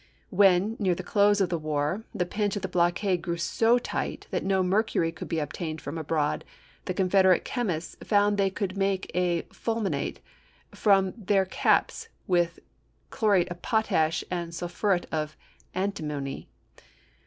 When, near the close of the war, the pinch of the blockade grew so tight that no mercury could be obtained from abroad, the Con federate chemists found they could make a fulmi nate for their caps with chlorate of potash and sulphuret of antimony.